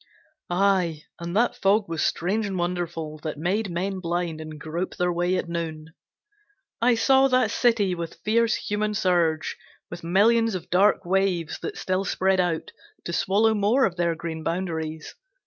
Aye, and that fog was strange and wonderful, That made men blind and grope their way at noon. I saw that City with fierce human surge, With millions of dark waves that still spread out To swallow more of their green boundaries.